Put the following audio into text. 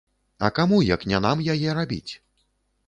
А каму як не нам яе рабіць?